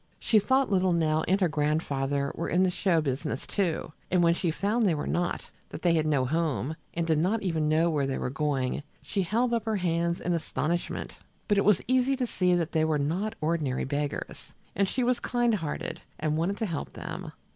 She thought little Nell and her grandfather were in the show business, too, and when she found they were not, that they had no home, and did not even know where they were going, she held up her hands in astonishment. But it was easy to see that they were not ordinary beggars, and she was kind hearted and wanted to help them.